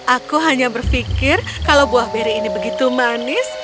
aku hanya berpikir kalau buah beri ini begitu manis